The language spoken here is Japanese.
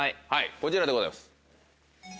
こちらでございます。